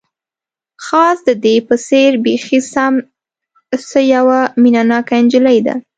خاص د دې په څېر، بیخي سم، څه یوه مینه ناکه انجلۍ ده.